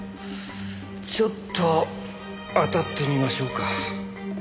ちょっと当たってみましょうか。